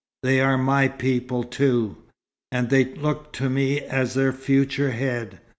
They are my people, too, and they look to me as their future head.